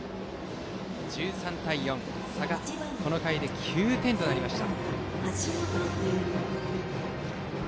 １３対４、差がこの回で９点となりました。